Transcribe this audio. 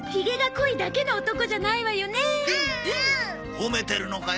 褒めてるのかよ？